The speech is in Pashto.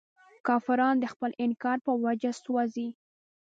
کافران د خپل انکار په وجه سوځي.